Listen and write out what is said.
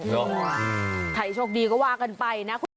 ใครโชคดีก็ว่ากันไปนะ